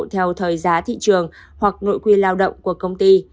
theo thời giá thị trường hoặc nội quy lao động của công ty